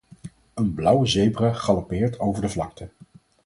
Een blauwe zebra galoppeert over de vlakte.